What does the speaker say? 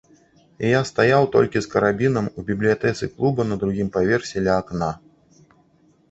І я стаяў толькі з карабінам у бібліятэцы клуба, на другім паверсе, ля акна.